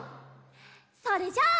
それじゃあ。